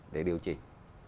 để điều chỉnh